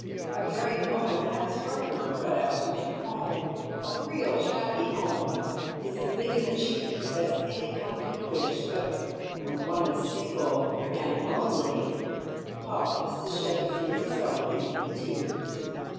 A married woman has her work cut out to make a home; a real happy home is as big an achievement as any one can wish, but when one is single and lonely Pause to shed a few self pitying tears.